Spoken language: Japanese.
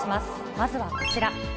まずはこちら。